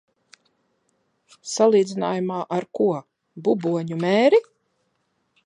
Salīdzinājumā ar ko? Buboņu mēri?